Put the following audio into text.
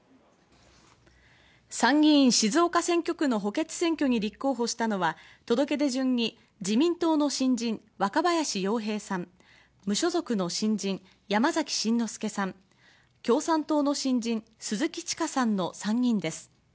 参議院静岡選挙区の補欠選挙に立候補したのは、届け出順に自民党の新人・若林洋平さん、無所属の新人・山崎真之輔さん、共産党の新人・鈴木千佳さんの３人です。